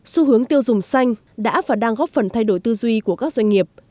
xu hướng tiêu dùng xanh đã và đang góp phần thay đổi tư duy của các doanh nghiệp